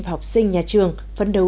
và học sinh nhà trường phấn đấu